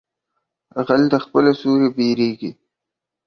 غل د خپله سوري بيرېږي.